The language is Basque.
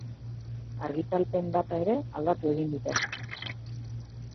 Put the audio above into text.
Argitalpen data ere aldatu egin dute.